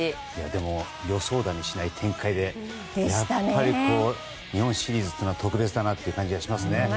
でも予想だにしない展開でやっぱり日本シリーズは特別だなという感じがしますね。